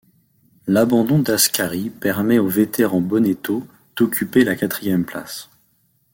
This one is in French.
L'abandon d'Ascari permet au vétéran Bonetto d'occuper la quatrième place.